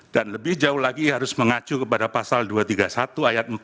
dan lebih jauh lagi harus mengacu kepada pasal dua ratus tiga puluh satu ayat empat